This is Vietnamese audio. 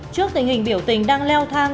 trước tình hình biểu tình đang leo thang